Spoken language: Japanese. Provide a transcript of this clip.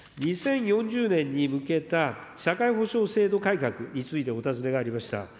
２０４０年に向けた社会保障制度改革についてお尋ねがありました。